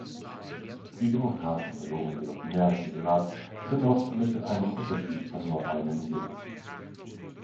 Die Demokraten verloren jedoch die Mehrheit im Senat, wenn auch mit einem Unterschied von nur einem Sitz.